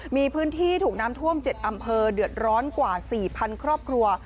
มีพื้นที่ถูกน้ำท่วม๗อำเภอเดือดร้อนกว่า๔๐๐๐ครอบครัว